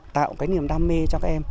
tạo cái niềm đam mê cho các em